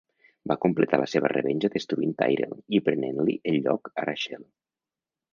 Va completar la seva revenja destruint Tyrell i prenent-li el lloc a Rachael.